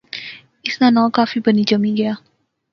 اس ناں ناں کافی بنی جمی گیا